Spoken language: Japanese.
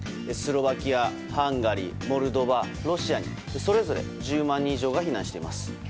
スロバキア、ハンガリーモルドバ、ロシアにそれぞれ１０万人以上が避難しています。